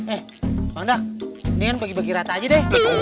eh sondak ini kan bagi bagi rata aja deh